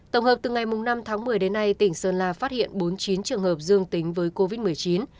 tổng hợp từ ngày năm tháng một mươi đến nay tỉnh sơn la phát hiện bốn mươi chín trường hợp dương tính với covid một mươi chín